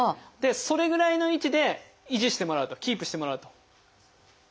それぐらいの位置で維持してもらうとキープしてもらうと。